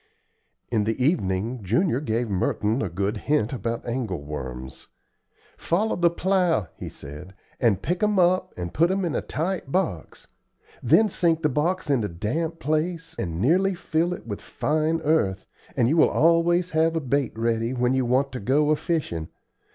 In the evening Junior gave Merton a good hint about angle worms. "Follow the plow," he said, "and pick 'em up and put 'em in a tight box. Then sink the box in a damp place and nearly fill it with fine earth, and you always have bait ready when you want to go a fishing.